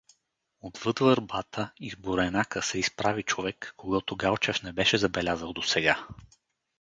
Отвъд върбата, из буренака се изправи човек, когото Галчев не беше забелязал досега.